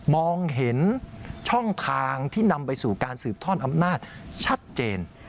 มองเห็นช่องทางที่นำไปสู่การสืบทอดอำนาจชัดเจน